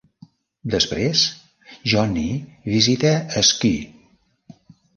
Després, Johnny visita Squee.